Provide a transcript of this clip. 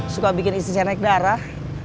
suka bikin isi saya naik darah